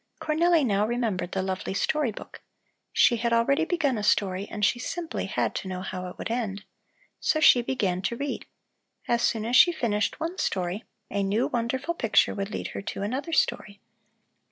Cornelli now remembered the lovely story book. She had already begun a story and she simply had to know how it would end. So she began to read. As soon as she finished one story, a new wonderful picture would lead her to another story.